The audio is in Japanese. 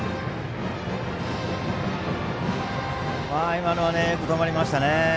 今のはよく止まりましたね。